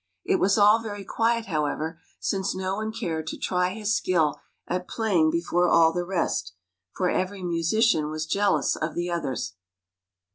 It was all very quiet, however, since no one cared to try his skill at playing before all the rest; for every musician was jealous of the others.